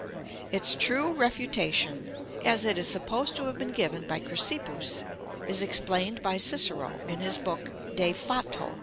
Its true refutation, as it is supposed to have been given by Chrysippus, is explained by Cicero in his book De Fato, ch.